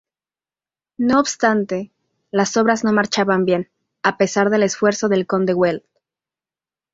No obstante, las obras no marchaban bien a pesar del esfuerzo del conde Güell.